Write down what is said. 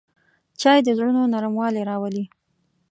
چای د زړونو نرموالی راولي